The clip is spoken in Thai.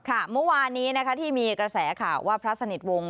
เมื่อวานนี้นะคะที่มีกระแสข่าวว่าพระสนิทวงศ